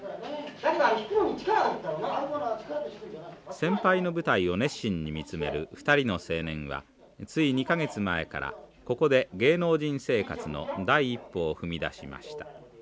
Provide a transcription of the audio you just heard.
先輩の舞台を熱心に見つめる２人の青年はつい２か月前からここで芸能人生活の第一歩を踏み出しました。